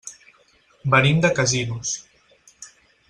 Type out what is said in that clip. Venim de Casinos.